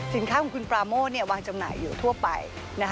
ของคุณปราโมทวางจำหน่ายอยู่ทั่วไป